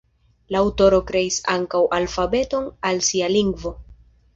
La aŭtoro kreis ankaŭ alfabeton al sia "lingvo".